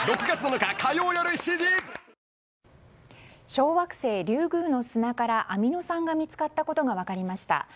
小惑星リュウグウの砂からアミノ酸が見つかったことが分かりました。